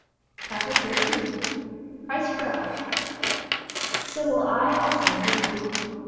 Chapter XIII. Christ for Us. _'So will I also be for Thee.